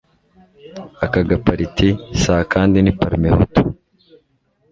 ako gapariti si akandi ni parmehutu .